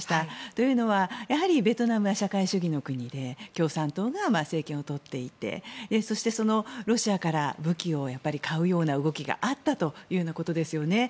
というのは、やはりベトナムは社会主義の国で共産党が政権を取っていてそしてロシアから武器を買うような動きがあったということですよね。